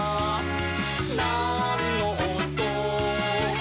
「なんのおと？」